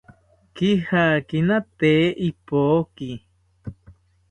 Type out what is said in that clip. Kijakina tee ipoki